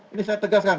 ini saya tegaskan